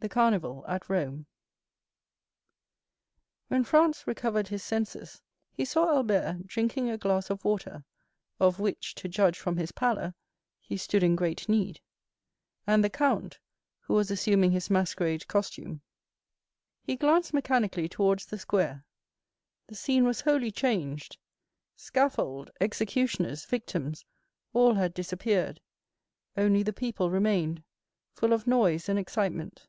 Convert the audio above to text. The Carnival at Rome When Franz recovered his senses, he saw Albert drinking a glass of water, of which, to judge from his pallor, he stood in great need; and the count, who was assuming his masquerade costume. He glanced mechanically towards the piazza—the scene was wholly changed; scaffold, executioners, victims, all had disappeared; only the people remained, full of noise and excitement.